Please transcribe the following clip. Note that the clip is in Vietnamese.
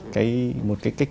cái một cái